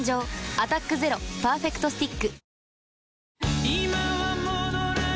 「アタックＺＥＲＯパーフェクトスティック」